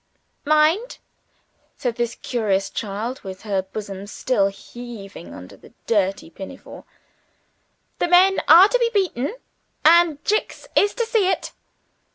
"Mind!" said this curious child, with her bosom still heaving under the dirty pinafore, "the men are to be beaten. And Jicks is to see it."